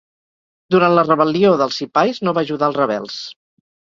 Durant la rebel·lió dels Sipais no va ajudar als rebels.